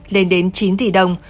lên đến chín tỷ đồng